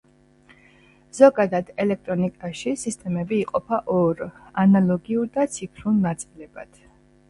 ზოგადად, ელექტრონიკაში სისტემები იყოფა ორ, ანალოგიურ და ციფრულ ნაწილებად.